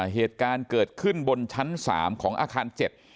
เหตุการณ์เกิดขึ้นบนชั้นสามของอาคารเจ็ด